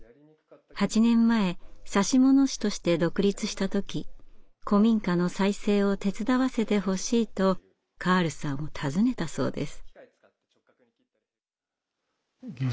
８年前指物師として独立した時「古民家の再生を手伝わせてほしい」とカールさんを訪ねたそうです。